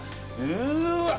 うわっ。